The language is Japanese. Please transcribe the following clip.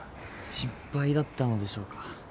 失敗だったのでしょうか。